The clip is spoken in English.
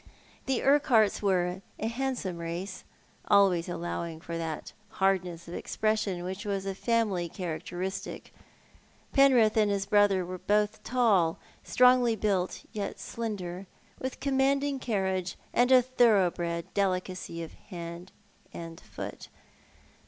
The Urqnharts were a handsome race, — always allowing for that hardness of expression which was a family characteristic. If it cozild have been. 6 1 Penrith and his brother were both tall, strongly built yet slender, with commanding carriage, and a thoroughbred delicacy of hand and foot.